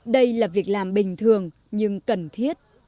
đây là việc làm bình thường nhưng cần thiết